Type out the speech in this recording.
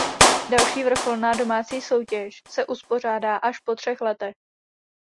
Další vrcholná domácí soutěž se uspořádá až po třech letech.